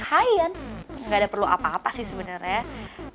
hai ian gaada perlu apa dua sih sebenernya